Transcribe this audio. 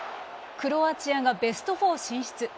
クロアチアがベスト４進出。